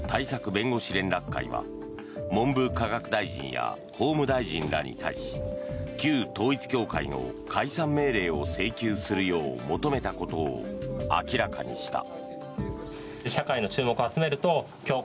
弁護士連絡会は文部科学大臣や法務大臣らに対し旧統一教会の解散命令を請求するよう求めたことを明らかにした。